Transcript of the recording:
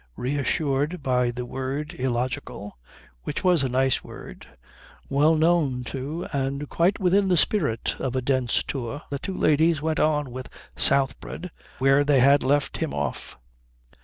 Reassured by the word illogical, which was a nice word, well known to and quite within the spirit of a Dent's Tour, the two ladies went on with Shoolbred where they had left him off.